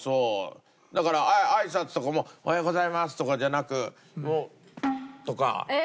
だからあいさつとかも「おはようございます」とかじゃなくもう。とか。